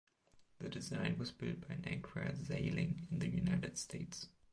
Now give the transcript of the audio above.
The design was built by Nacra Sailing in the United States.